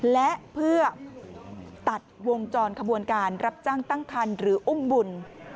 และเพื่อตัดวงจรขบวนการรับจ้างตั้งคันหรืออุ้มบุญ